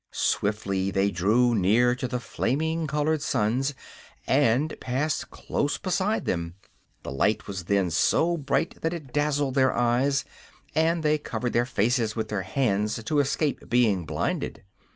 Swiftly they drew near to the flaming colored suns, and passed close beside them. The light was then so bright that it dazzled their eyes, and they covered their faces with their hands to escape being blinded.